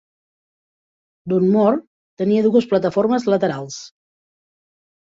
Dunmore tenia dues plataformes laterals.